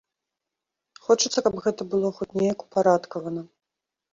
Хочацца, каб гэта было хоць неяк упарадкавана!